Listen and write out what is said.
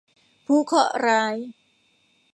ผู้เคราะห์ร้าย